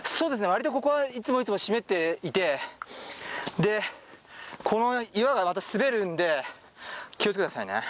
割とここはいつもいつも湿っていてでこの岩がまた滑るんで気を付けて下さいね。